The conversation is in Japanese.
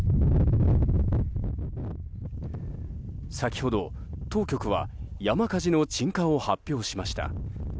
先ほど当局は山火事の鎮火を発表しました。